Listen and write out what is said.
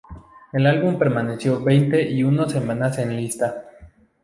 El álbum permaneció veinte y uno semanas en lista.